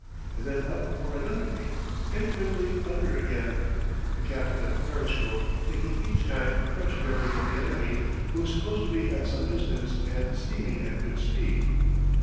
And then up for another peek; and quickly under again, the captain at the periscope taking each time a fresh bearing of the enemy, who is supposed to be at some distance and steaming at good speed.